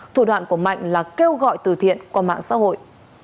thủ đoạn của mạnh là kêu gọi từ thiện qua mạng xã hội